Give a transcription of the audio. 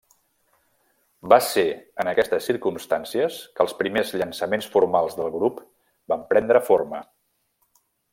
Va ser en aquestes circumstàncies que els primers llançaments formals del grup van prendre forma.